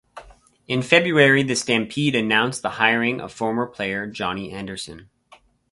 In February the Stampede announced the hiring of former player Johnny Anderson.